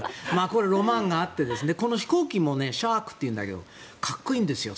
これ、ロマンがあってこの飛行機もシャークというんだけどかっこいいんですよ。